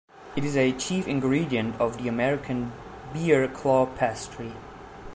It is a chief ingredient of the American bear claw pastry.